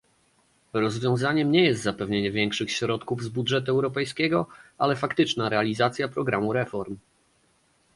Rozwiązaniem nie jest zapewnienie większych środków z budżetu europejskiego, ale faktyczna realizacja programu reform